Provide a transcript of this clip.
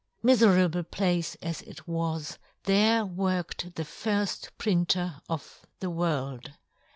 Miferable place as it was, there worked the firfl printer of the world